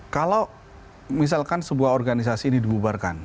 kalau misalkan sebuah organisasi ini dibubarkan